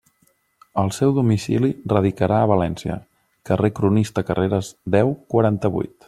El seu domicili radicarà a València, carrer Cronista Carreres, deu, quaranta-vuit.